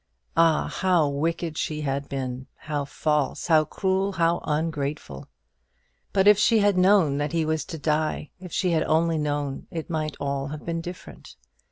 Ah, how wicked she had been! how false, how cruel, how ungrateful! But if she had known that he was to die if she had only known it might all have been different.